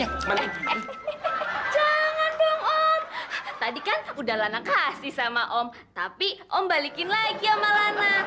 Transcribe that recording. jangan dong om tadi kan udah lama kasih sama om tapi om balikin lagi sama lana